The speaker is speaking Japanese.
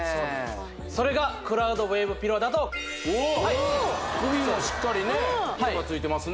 それがクラウドウェーブピローだとはい首もしっかりねついてますね